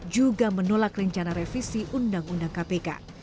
juga menolak rencana revisi undang undang kpk